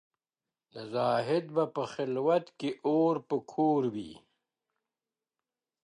د زاهد به په خلوت کي اور په کور وي.